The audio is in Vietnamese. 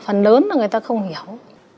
phần lớn người ta không hiểu